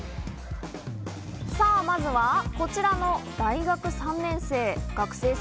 まずはこちらの大学３年生。